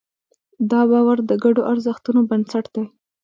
دا باور د ګډو ارزښتونو بنسټ دی.